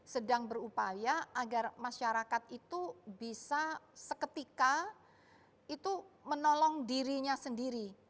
sedang berupaya agar masyarakat itu bisa seketika itu menolong dirinya sendiri